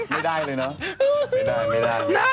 ไม่ได้เลยเนอะ